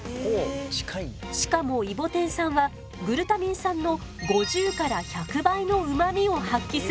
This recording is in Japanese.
しかもイボテン酸はグルタミン酸の５０から１００倍のうまみを発揮するの。